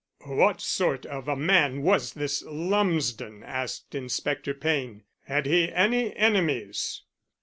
"What sort of a man was this Lumsden?" asked Inspector Payne. "Had he any enemies?"